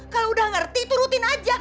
kalau udah ngerti itu rutin aja